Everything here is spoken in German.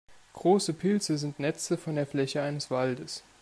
Große Pilze sind Netze von der Fläche eines Waldes.